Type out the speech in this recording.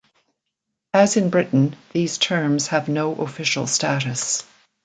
As in Britain, these terms have no official status.